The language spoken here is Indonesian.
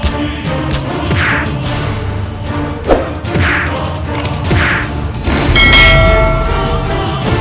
hingga kau mati menderita